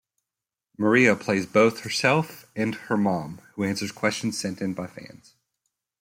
Maria plays both herself and her mom, who answers questions sent in by fans.